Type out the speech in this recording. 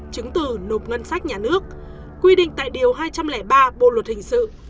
chứng từ nộp ngân sách nhà nước quy định tại điều hai trăm linh ba bộ luật hình sự